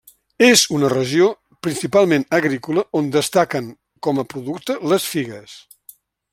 És una regió principalment agrícola on destaquen com a producte les figues.